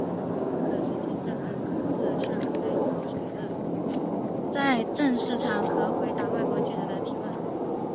这是金正恩自上台以后首次在正式场合回答外国记者的提问。